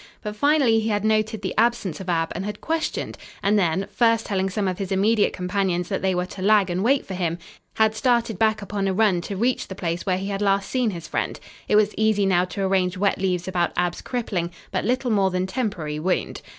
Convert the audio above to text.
But finally he had noted the absence of Ab and had questioned, and then first telling some of his immediate companions that they were to lag and wait for him had started back upon a run to reach the place where he had last seen his friend. It was easy now to arrange wet leaves about Ab's crippling, but little more than temporary, wound.